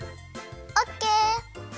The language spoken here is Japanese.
オッケー！